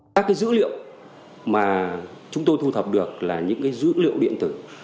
các cái dữ liệu mà chúng tôi thu thập được là những dữ liệu điện tử